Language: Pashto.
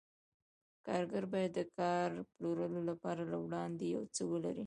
کارګر باید د کار پلورلو لپاره له وړاندې یو څه ولري